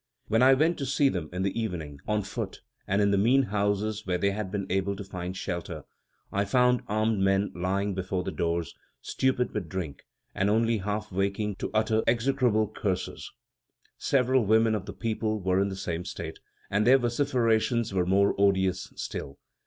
When I went to see them in the evening, on foot, and in the mean houses where they had been able to find shelter, I found armed men lying before the doors, stupid with drink, and only half waking to utter execrable curses. Several women of the people were in the same state, and their vociferations were more odious still.